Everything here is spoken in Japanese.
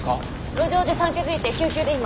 路上で産気づいて救急で今。